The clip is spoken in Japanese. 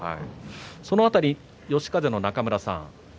その辺り、嘉風の中村さん